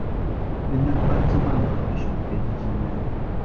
Jednak bardzo mało robi się w tej dziedzinie